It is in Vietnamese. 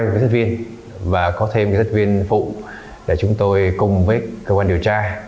hai kỹ sát viên và có thêm kỹ sát viên phụ để chúng tôi cùng với cơ quan điều tra